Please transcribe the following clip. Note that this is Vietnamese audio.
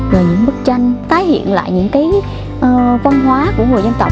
rồi những bức tranh tái hiện lại những cái văn hóa của người dân tộc